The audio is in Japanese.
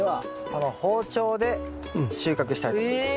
この包丁で収穫したいと思います。